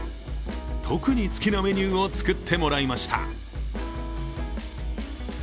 特に好きなメニューを作ってもらいました。